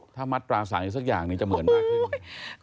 ถ้ามัดปราสาทสักอย่างนี้จะเหมือนมาก